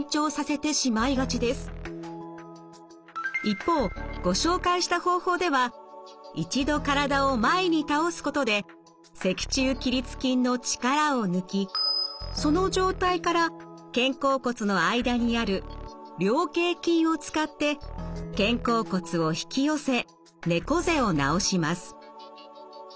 一方ご紹介した方法では一度体を前に倒すことで脊柱起立筋の力を抜きその状態から肩甲骨の間にある菱形筋を使って肩甲骨を引き寄せ猫背を直します。